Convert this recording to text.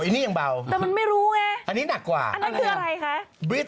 อันนี้ยังเบาอันนี้หนักกว่าอันนั้นคืออะไรคะแต่มันไม่รู้ไง